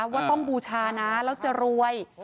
ว่าต้องบูชานะแล้วจะรวย